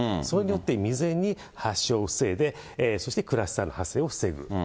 それによって未然に発症を防いで、そしてクラスターの発生を防ぐ。